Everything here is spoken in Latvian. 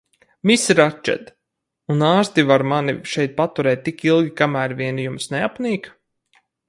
Miss Ratčed, un ārsti var mani šeit paturēt tik ilgi, kamēr vien jums neapnīk?